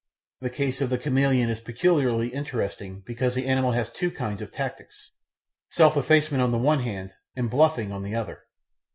The case of the chameleon is peculiarly interesting because the animal has two kinds of tactics self effacement on the one hand and bluffing on the other.